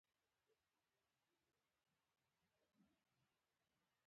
راشد ناروغ دی، راشد دې روغ شي